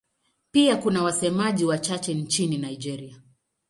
Pia kuna wasemaji wachache nchini Nigeria.